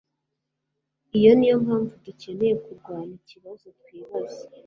Iyo niyo mpamvu dukeneye kurwana ikibazo twibaza